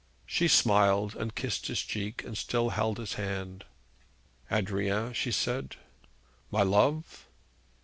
She smiled, and kissed his cheek, and still held his hand. 'Adrian,' she said. 'My love?'